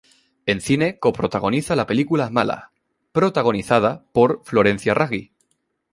En cine co-protagoniza la película "Mala", protagonizada por Florencia Raggi.